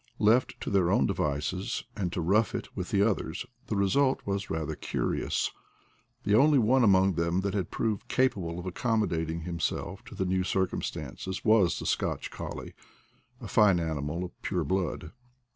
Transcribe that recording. Left to their own devices, and to rough it with the others, the result was rather curious. The only one among them that had proved capable of ac commodating himself to the new circumstances was a Scotch colley — a fine animal of pure blood.